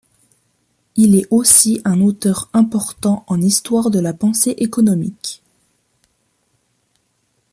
Il est aussi un auteur important en histoire de la pensée économique.